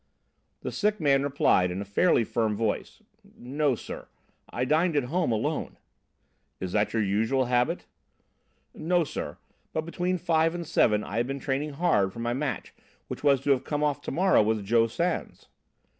The sick man replied in a fairly firm voice: "No, sir, I dined at home alone." "Is that your usual habit?" "No, sir, but between five and seven I had been training hard for my match which was to have come off to morrow with Joe Sans."